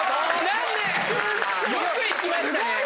何で⁉よくいきましたね。